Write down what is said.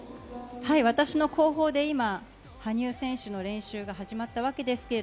私の後方で今、羽生選手の練習が始まったわけです。